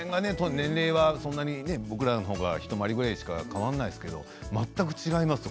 年齢は僕らの方、一回りぐらいしか変わらないですけど全く違います。